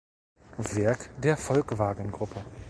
Werk der Volkwagen-Gruppe.